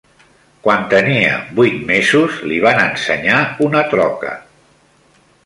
Quan tenia vuit mesos, li van ensenyar una troca